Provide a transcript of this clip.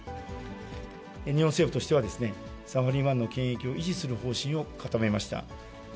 日本政府としては、サハリン１の権益を維持する方針を固めました。